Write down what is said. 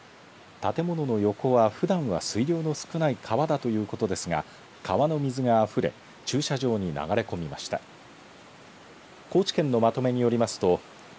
建物の横はふだんは水量の少ない川だということですが川の水があふれ駐車場に流れ込みました。